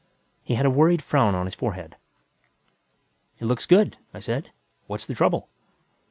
He had a worried frown on his forehead. "It looks good," I said. "What's the trouble?"